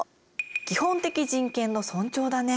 基本的人権の尊重だね。